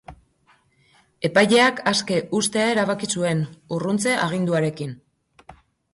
Epaileak aske uztea erabaki zuen, urruntze-aginduarekin.